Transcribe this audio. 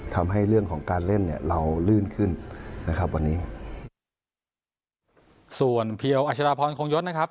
ทำให้เรื่องของการเล่นเนี่ยเราลื่นขึ้นนะครับวันนี้ส่วนเพียวอัชราพรคงยศนะครับ